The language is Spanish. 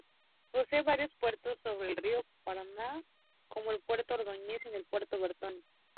Posee varios puertos sobre el río Paraná, como el Puerto Ordoñez, el Puerto Bertoni.